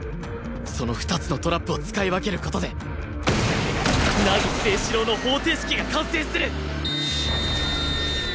その２つのトラップを使い分ける事で凪誠士郎の方程式が完成する！